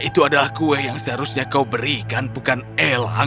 itu adalah kue yang seharusnya kau berikan bukan elang